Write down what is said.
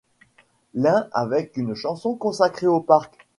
L'un, avec une chanson consacrée au parc.